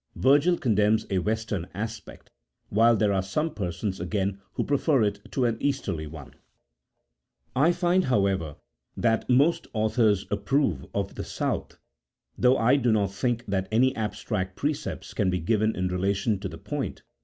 Virgil24 condemns a western aspect, while there are some persons, again, who prefer it to an easterly one : I find, however, that most authors approve of the south, though I do not think that any abstract precepts25 can be given in relation to the point.